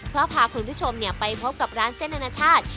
เพื่อพาคุณผู้ชมไปพบกับร้านเส้นอนาชาติ